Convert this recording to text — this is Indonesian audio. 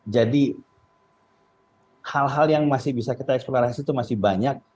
jadi hal hal yang masih bisa kita eksplorasi itu masih banyak